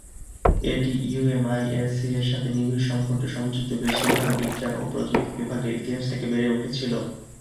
এটি ইউএমআইএসটি-এর সাথে নিবিড় সম্পর্কে সংযুক্ত, বেশিরভাগ বিজ্ঞান ও প্রযুক্তি বিভাগের ইতিহাস থেকে বেড়ে উঠেছিল।